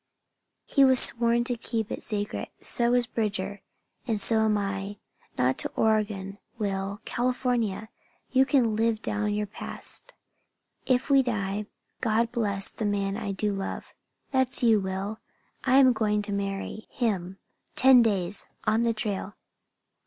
He was sworn to keep it secret; so was Bridger, and so am I. Not to Oregon, Will California! You can live down your past. If we die, God bless the man I do love. That's you, Will! And I'm going to marry him. Ten days! On the trail!